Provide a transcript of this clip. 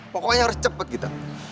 pokoknya harus cepet gita